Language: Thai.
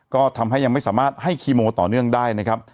ก็ทำให้ยังไม่สามารถให้คีโมต่อเนื่องได้นะครับ